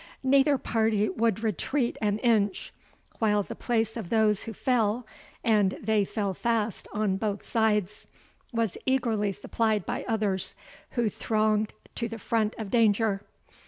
Neither party would retreat an inch, while the place of those who fell (and they fell fast on both sides) was eagerly supplied by others, who thronged to the front of danger.